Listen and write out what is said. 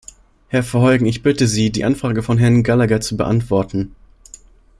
Herr Verheugen, ich bitte Sie, die Anfrage von Herrn Gallagher zu beantworten.